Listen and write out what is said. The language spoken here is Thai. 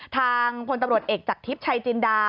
ทางพลตำรวจเอกจากทิพย์ชัยจินดา